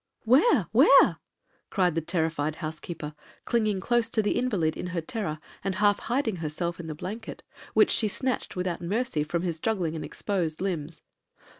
'Where,—where?' cried the terrified housekeeper, clinging close to the invalid in her terror, and half hiding herself in the blanket, which she snatched without mercy from his struggling and exposed limbs.